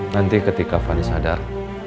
nanti ketika kak fani sadar